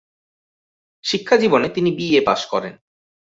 শিক্ষাজীবনে তিনি BA pass করেন।